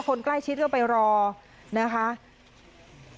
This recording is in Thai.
คนใกล้ชิดก็ไปรอนะคะ